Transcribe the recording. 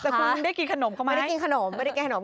แต่คุณได้กินขนมเหรอไหมคะไม่ได้กินขนม